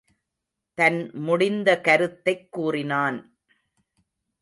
தன் முடிந்த கருத்தைக் கூறினான்.